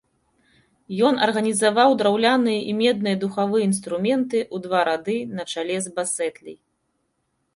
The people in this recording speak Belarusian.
Ён арганізаваў драўляныя і медныя духавыя інструменты ў два рады на чале з басэтляй.